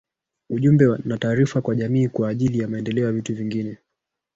ujumbe na taarifa kwa jamii kwa ajili ya maendeleo na vitu vingine